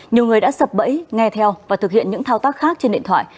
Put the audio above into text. nhiều người đã sập bẫy nghe theo và thực hiện những thao tác khác trên điện thoại